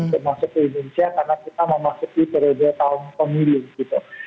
termasuk ke indonesia karena kita memasuki periode tahun pemilu gitu